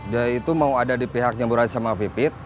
dia itu mau ada di pihaknya murad sama pipit